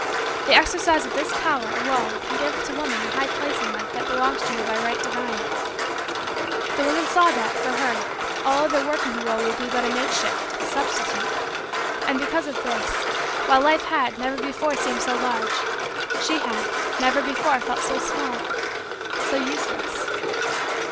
The exercise of this power alone can give to woman the high place in Life that belongs to her by right divine. The woman saw that, for her, all other work in the world would be but a makeshift a substitute; and, because of this, while Life had, never before seemed so large, she had, never before felt so small so useless.